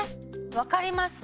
分かります！